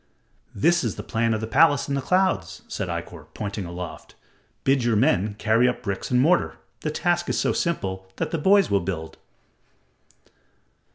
"That is the plan of the palace in the clouds," said Ikkor, pointing aloft. "Bid your men carry up bricks and mortar. The task is so simple that the boys will build."